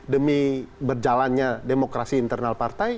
demi berjalannya demokrasi internal partai